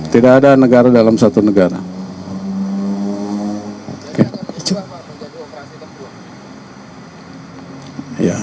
tidak ada negara dalam satu negara